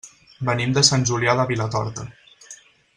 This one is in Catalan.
Venim de Sant Julià de Vilatorta.